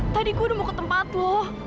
tadi gue udah mau ke tempat loh